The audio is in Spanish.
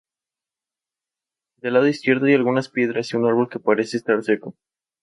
Del lado izquierdo hay algunas piedras y un árbol que parece estar seco.